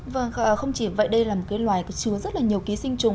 vâng không chỉ vậy đây là một loài có chứa rất nhiều ký sinh trùng